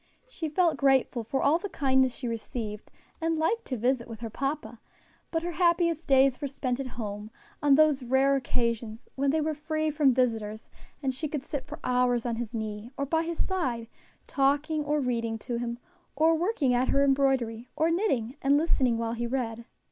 She felt grateful for all the kindness she received, and liked to visit with her papa; but her happiest days were spent at home on those rare occasions when they were free from visitors, and she could sit for hours on his knee, or by his side, talking or reading to him, or working at her embroidery, or knitting and listening while he read.